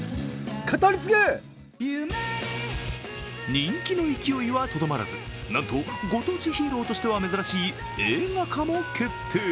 人気の勢いはとどまらずなんと、ご当地ヒーローとしては珍しい映画化も決定。